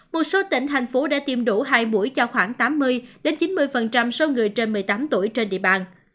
một số tỉnh thành phố đã tiêm đủ hai mũi cho khoảng tám mươi chín mươi số người trên một mươi tám tuổi trên địa bàn